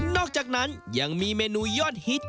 อกจากนั้นยังมีเมนูยอดฮิต